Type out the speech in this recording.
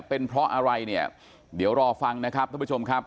เป็นเพราะอะไรเนี่ยเดี๋ยวรอฟังนะครับท่านผู้ชมครับ